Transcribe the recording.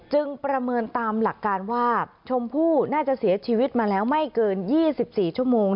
ประเมินตามหลักการว่าชมพู่น่าจะเสียชีวิตมาแล้วไม่เกิน๒๔ชั่วโมง